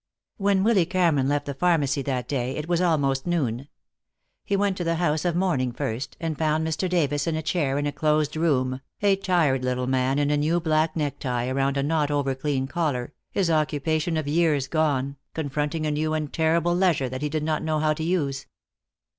When Willy Cameron left the pharmacy that day it was almost noon. He went to the house of mourning first, and found Mr. Davis in a chair in a closed room, a tired little man in a new black necktie around a not over clean collar, his occupation of years gone, confronting a new and terrible leisure that he did not know how to use.